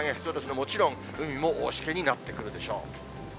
もちろん、海も大しけになってくるでしょう。